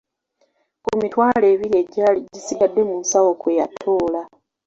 Ku mitwalo ebiri egyali gisigadde mu nsawo kwe yatoola.